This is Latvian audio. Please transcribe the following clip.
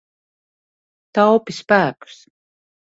Taupi spēkus.